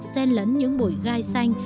xen lẫn những bụi gai xanh